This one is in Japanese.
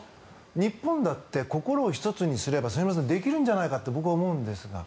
日本だって心を一つにすれば末延さんできるんじゃないかって僕は思うんですが。